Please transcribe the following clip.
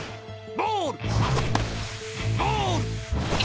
ボール！